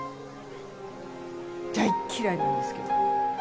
大っ嫌いなんですけど。